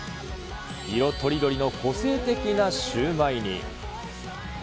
色とりどりの個性的なシューマイに。